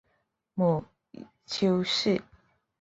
母丘氏。